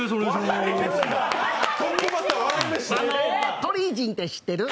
鳥人って知ってる？